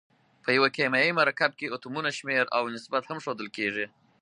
په یو کیمیاوي مرکب کې اتومونو شمیر او نسبت هم ښودل کیږي.